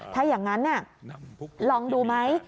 ถ้าอย่างนั้นลองดูไหม